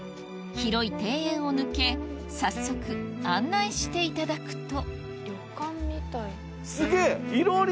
広い庭園を抜け早速案内していただくとすげぇ。